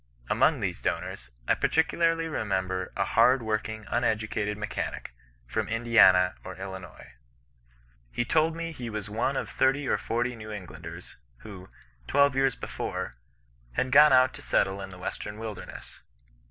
Among these donors, I particularly remember a hard working, uneducated mechanic, from Indiana or Illinois. He told me he was one of thirty or forty New Englanders, who, twelve years before, had gone out to settle in the western wUdemess.